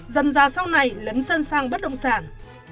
dần ra sau này lấn dân sang bất động sản